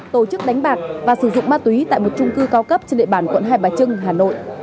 tổ chức đánh bạc và sử dụng ma túy tại một trung cư cao cấp trên địa bàn quận hai bà trưng hà nội